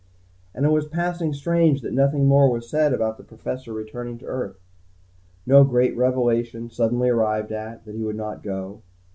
And it was passing strange that nothing more was said about the Professor returning to Earth. No great revelation, suddenly arrived at, that he would not go.